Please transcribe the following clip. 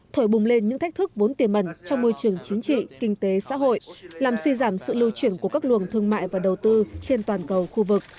thổi bùng lên những thách thức vốn tiềm mẩn trong môi trường chính trị kinh tế xã hội làm suy giảm sự lưu chuyển của các luồng thương mại và đầu tư trên toàn cầu khu vực